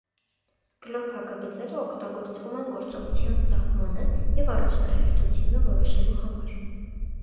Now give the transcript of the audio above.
Կլոր փակագծերը օգտագործվում են գործողության սահմանը և առաջնահերթությունը որոշելու համար։